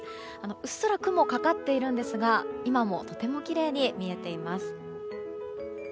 うっすら雲がかかっていますが今もとてもきれいに見えています。